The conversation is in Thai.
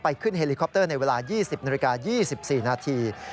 ขึ้นเฮลิคอปเตอร์ในเวลา๒๐นาฬิกา๒๔นาที